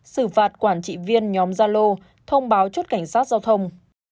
xử phạt quản trị viên nhóm gia lô thông báo chốt cảnh sát giao thông